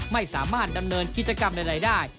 ไม่สามารถดำเนินกิจกรรมใดได้